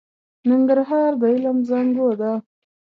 ننګرهار د علم زانګو ده.